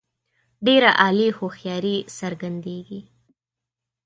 ډېره عالي هوښیاري څرګندیږي.